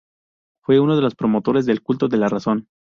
Fue uno de los promotores del culto de la Razón.